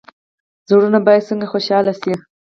زړونه باید څنګه خوشحاله شي؟